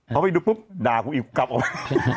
เข้าไปดูปุ๊บด่าคู่อีกกับออกมา